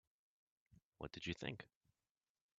What did you think?